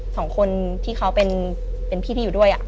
สองคนที่เขาเป็นพี่ที่อยู่ด้วย